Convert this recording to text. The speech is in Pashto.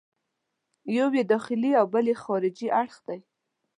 یو یې داخلي او بل یې خارجي اړخ دی.